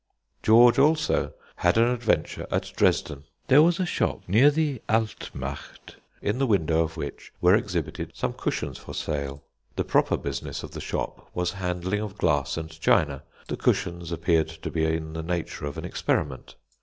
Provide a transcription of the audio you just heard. George also had an adventure at Dresden. There was a shop near the Altmarkt, in the window of which were exhibited some cushions for sale. The proper business of the shop was handling of glass and china; the cushions appeared to be in the nature of an experiment.